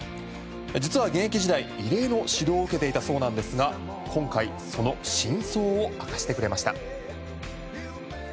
実は現役時代、異例の指導を受けていたそうですが今回、その真相を明かしてくれました。